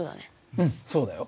うんそうだよ。